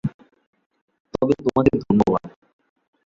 তবে, তোমাকে ধন্যবাদ।